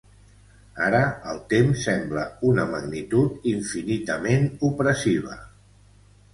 Ara el temps sembla una magnitud infinitament opressiva.